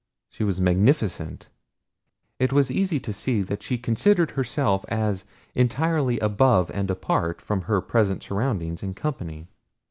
She was magnificent. It was easy to see that she considered herself as entirely above and apart from her present surroundings and company.